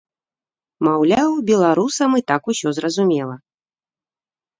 Маўляў, беларусам і так усё зразумела.